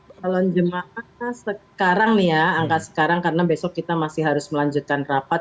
calon jemaah sekarang nih ya angka sekarang karena besok kita masih harus melanjutkan rapat